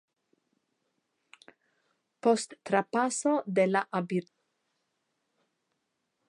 Post trapaso de la abiturienta ekzameno li studis je Hajdelbergo klasikan filologion.